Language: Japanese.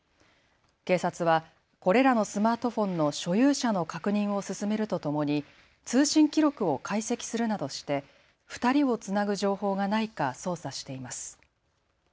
警察はこれらのスマートフォンの所有者の確認を進めるとともに通信記録を解析するなどして２人をつなぐ情報がないか捜査しています。